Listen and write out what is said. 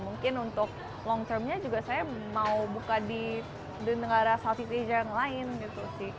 mungkin untuk long termnya juga saya mau buka di denenggara south east asia